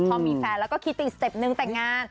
พอมีแฟนแล้วก็คิดอีกสเตปหนึ่งแต่งงาน